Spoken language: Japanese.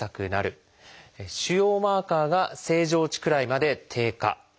腫瘍マーカーが正常値くらいまで低下。